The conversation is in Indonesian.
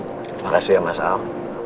terima kasih ya mas am